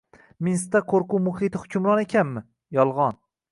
Minskda qo‘rquv muhiti hukmron ekanmi? Yolg‘on